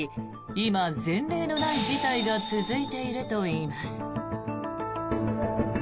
今、前例のない事態が続いているといいます。